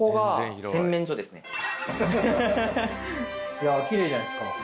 いやぁキレイじゃないですか。